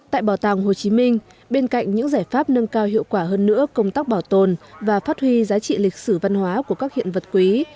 tại bảo tàng hồ chí minh bên cạnh những giải pháp nâng cao hiệu quả hơn nữa công tác bảo tồn và phát huy giá trị lịch sử văn hóa của các hiện vật quý